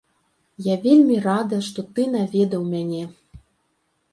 Я вельмі рада, што ты наведаў мяне.